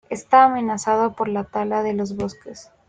Está amenazado por la tala de los bosques.